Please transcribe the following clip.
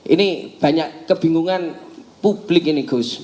ini banyak kebingungan publik ini gus